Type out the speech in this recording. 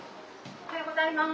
おはようございます。